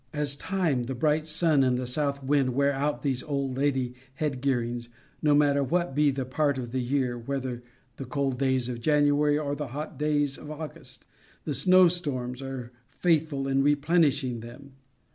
As time, the bright sun and the south wind wear out these old lady head gearings, no matter what be the part of the year, whether the cold days of January, or the hot days of August, the snow storms are faithful in replenishing them.